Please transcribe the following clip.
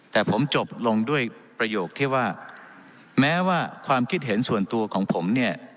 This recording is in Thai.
แต่ผมจบลงด้วยประโยคที่ว่าแม้ว่าความคิดเห็นส่วนตัวของผมเนี่ย